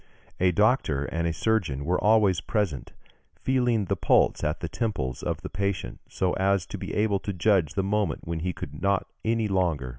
A doctor and a surgeon were always present, feeling the pulse at the temples of the patient, so as to be able to judge of the moment when he could not any longer bear the pain.